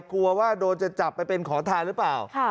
กลัวว่าโดนจะจับไปเป็นขอทานหรือเปล่า